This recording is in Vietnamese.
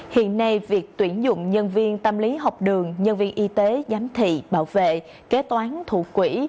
hiện nay việc tuyển dụng nhân viên tâm lý học đường nhân viên y tế giám thị bảo vệ kế toán thủ quỹ